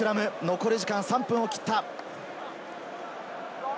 残り時間は３分を切った。